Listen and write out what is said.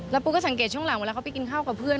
แล้วปูก็สังเกตการณ์ว่าเขากำไบ้กูกินกับเพื่อน